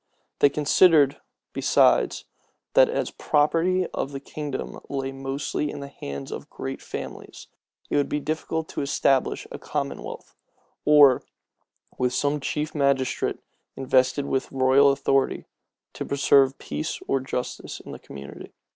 They considered, besides, that as the property of the kingdom lay mostly in the hands of great families, it would be difficult to establish a common wealth; or without some chief magistrate, invested with royal authority, to preserve peace or justice in the community.